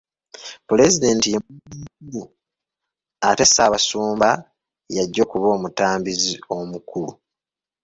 Pulezidenti ye mugenyi omukulu ate Ssaabasumba y'ajja okuba omutambizi omukulu.